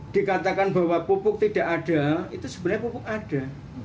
dikatakan bahwa pupuk tidak ada itu sebenarnya pupuk ada